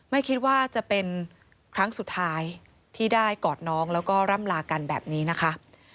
ไม่คิดว่าจะเป็นครั้งสุดท้ายที่ได้กอดน้องแล้วก็ร่ำลากันแบบนี้นะคะ